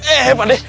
eh pak deh